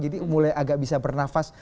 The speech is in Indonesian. jadi mulai agak bisa bernafas